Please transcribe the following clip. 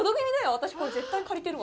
私、これ絶対借りてるわ。